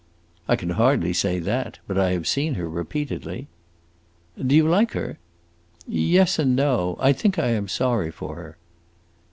"I can hardly say that. But I have seen her repeatedly." "Do you like her?" "Yes and no. I think I am sorry for her."